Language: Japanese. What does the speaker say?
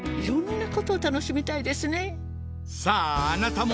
さああなたも！